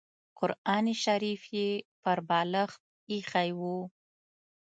قران شریف یې پر بالښت اېښی و.